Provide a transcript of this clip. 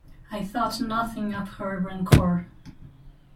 I thought nothing of her rancour.